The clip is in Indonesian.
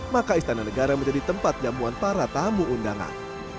maka istana negara menjadi tempat jamuan para tamu undangan